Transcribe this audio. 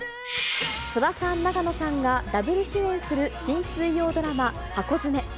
戸田さん、永野さんがダブル主演する新水曜ドラマ、ハコヅメ。